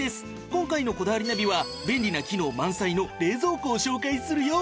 今回の『こだわりナビ』は便利な機能満載の冷蔵庫を紹介するよ。